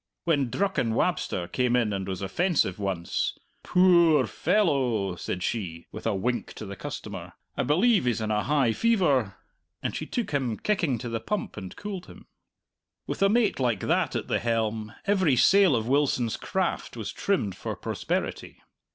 When Drucken Wabster came in and was offensive once, "Poo oor fellow!" said she (with a wink to a customer), "I declare he's in a high fever," and she took him kicking to the pump and cooled him. With a mate like that at the helm every sail of Wilson's craft was trimmed for prosperity.